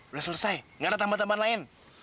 udah selesai gak ada tambahan tambahan lain